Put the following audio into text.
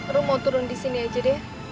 ru mau turun disini aja deh